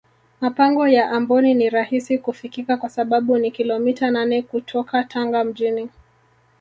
mapango ya amboni ni rahisi kufikika kwa sababu ni kilomita nane kutoka tanga mjini